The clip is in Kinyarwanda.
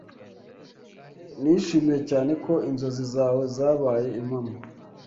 Nishimiye cyane ko inzozi zawe zabaye impamo.